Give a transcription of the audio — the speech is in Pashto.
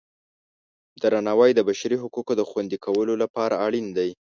درناوی د بشري حقونو د خوندي کولو لپاره اړین دی.